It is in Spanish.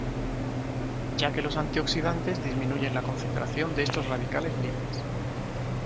Ya que los antioxidantes disminuyen la concentración de estos radicales libres.